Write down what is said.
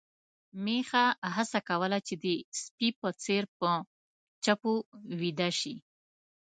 میښه هڅه کوله چې د سپي په څېر په چپو ويده شي.